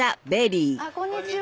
こんにちは。